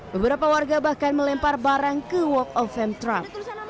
beberapa warga bahkan melempar barang ke work of fame trump